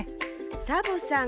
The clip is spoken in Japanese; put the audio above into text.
サボさん